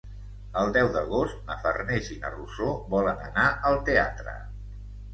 El deu d'agost na Farners i na Rosó volen anar al teatre.